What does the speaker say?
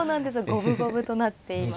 五分五分となっています。